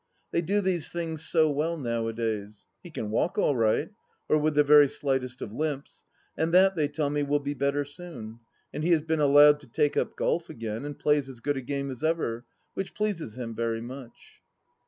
They do these things so well, nowadays. He can walk all right — or with the very slightest of limps — and that, they tell me, will be better soon, and he has been allowed to take up golf again, and plays as good a game as ever, which pleases him very much.